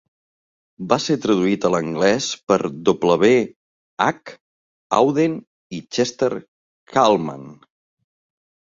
Va ser traduït a l'anglès per W. H. Auden i Chester Kallman.